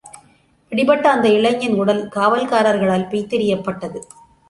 பிடிபட்ட அந்த இளைஞன் உடல், காவல்காரர்களால் பிய்த்தெறியப்பட்டது.